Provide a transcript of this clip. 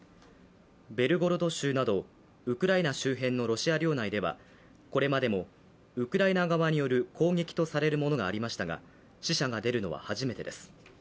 ベルゴロド州などウクライナ周辺のロシア領内ではこれまでもウクライナ側による攻撃とされるものがありましたが、死者が出るのは初めてです。